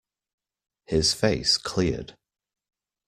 His face cleared.